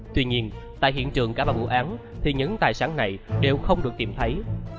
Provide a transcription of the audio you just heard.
tuy nhiên tại hiện trường cả ba vụ án thì những tài sản này đều không được tìm thấy